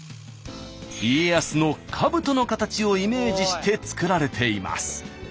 家康のかぶとの形をイメージして作られています。